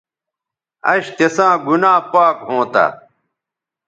اش تساں گنا پاک ھونتہ